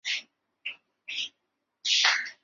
土蜜树瘤节蜱为节蜱科瘤节蜱属下的一个种。